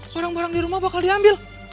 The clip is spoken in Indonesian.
barang barang di rumah bakal diambil